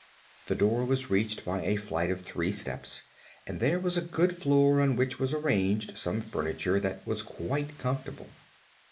The door was reached by a flight of three steps and there was a good floor on which was arranged some furniture that was quite comfortable.